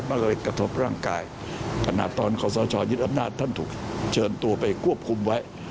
ก็เลยกระทบร่างกายขนาดตอนขอสชยึดอำนาจท่านถูกเชิญตัวไปควบคุมไว้